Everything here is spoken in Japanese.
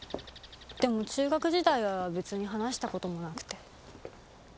でも中学時代は別に話した事もなくて。